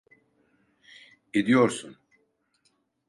Ediyorsun.